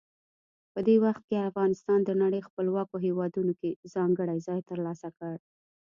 په دې وخت کې افغانستان د نړۍ خپلواکو هیوادونو کې ځانګړی ځای ترلاسه کړ.